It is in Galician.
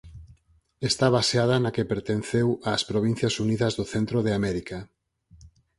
Está baseada na que pertenceu ás Provincias Unidas do Centro de América.